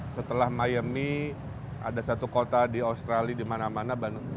setelah miami ada satu kota di australia di mana mana